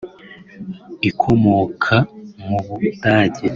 ikomoka mu Budage